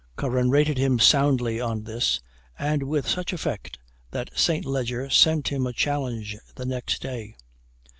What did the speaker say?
Curran rated him soundly on this, and with such effect that St. Leger sent him a challenge the next day.